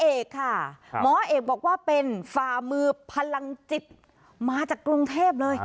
เอกค่ะหมอเอกบอกว่าเป็นฝ่ามือพลังจิตมาจากกรุงเทพเลย